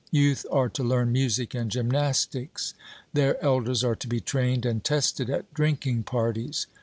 Youth are to learn music and gymnastics; their elders are to be trained and tested at drinking parties.